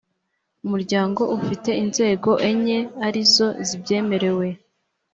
umuryango ufite inzego enye ari zo zibyemerewe